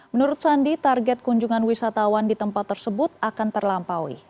menurut sandi target kunjungan wisatawan di tempat tersebut akan terlampaui